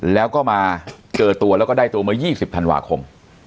แล้วก็มาเจอตัวแล้วก็ได้ตัวเมื่อ๒๐ธันวาคม